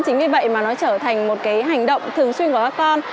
chính vì vậy mà nó trở thành một cái hành động thường xuyên của các con